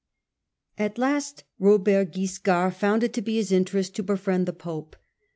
At last Robert Wiscard found it to be his interest to befriend the pope.